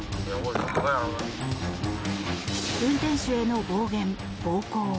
運転手への暴言・暴行。